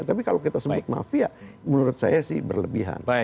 tapi kalau kita sebut mafia menurut saya sih berlebihan